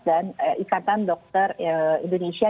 dan ikatan dokter indonesia